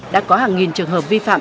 đã có hàng nghìn trường hợp vi phạm